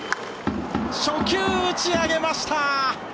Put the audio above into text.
初球、打ち上げました。